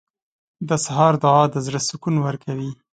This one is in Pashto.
• د سهار دعا د زړه سکون ورکوي.